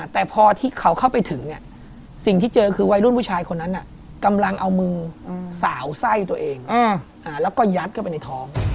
แต่พอที่เขาเข้าไปถึงเนี่ยสิ่งที่เจอคือวัยรุ่นผู้ชายคนนั้นกำลังเอามือสาวไส้ตัวเองแล้วก็ยัดเข้าไปในท้อง